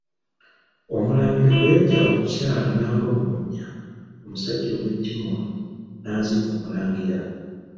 Omulangira bwe yajja okukyala n'agwa mu bunnya, omusajja ow'ettima oyo n'aziika Omulangira.